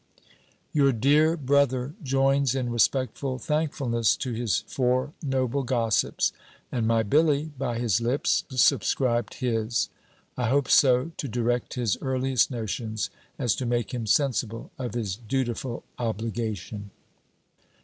B. Your dear brother joins in respectful thankfulness to his four noble gossips. And my Billy, by his lips, subscribed his. I hope so to direct his earliest notions, as to make him sensible of his dutiful obligation.